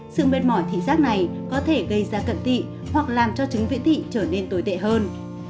sự mệt mỏi thị giác này có thể gây ra cận thị hoặc làm cho trứng viễn thị trở nên tồi tệ hơn